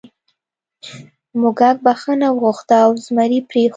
موږک بخښنه وغوښته او زمري پریښود.